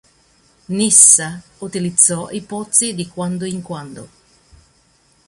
Nyssa utilizzò i pozzi di quando in quando.